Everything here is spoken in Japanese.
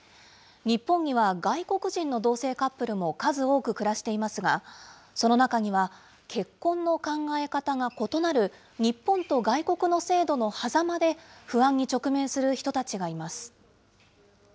日本には外国人の同性カップルも数多く暮らしていますが、その中には結婚の考え方が異なる、日本と外国の制度のはざまで不安に直面する人たちがいます。